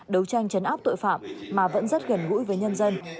đấu tranh chấn áp tội phạm mà vẫn rất gần gũi với nhân dân